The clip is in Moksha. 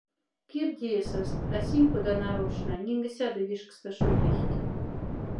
Кирди эсост, а синь, кода нарошна, нинге сяда вишкста шудихть.